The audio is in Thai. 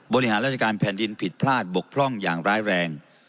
บริหารราชการแผ่นดินผิดพลาดบกพร่องอย่างร้ายแรง